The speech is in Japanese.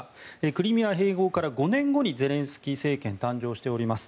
クリミア併合から５年後にゼレンスキー政権は誕生しております。